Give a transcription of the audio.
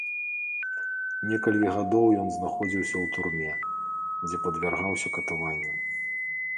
Некалькі гадоў ён знаходзіўся ў турме, дзе падвяргаўся катаванням.